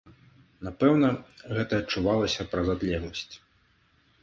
Напэўна, гэта адчувалася праз адлегласць.